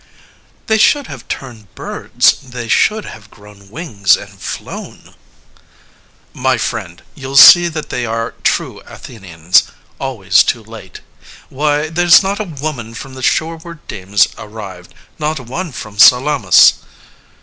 CALONICE They should have turned birds, they should have grown wings and flown. LYSISTRATA My friend, you'll see that they are true Athenians: Always too late. Why, there's not a woman From the shoreward demes arrived, not one from Salamis.